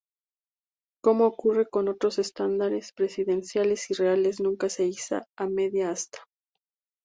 Como ocurre con otros estandartes presidenciales y reales, nunca se iza a media asta.